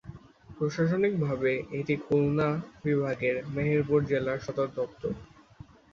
প্রশাসনিকভাবে এটি খুলনা বিভাগের মেহেরপুর জেলার সদরদপ্তর।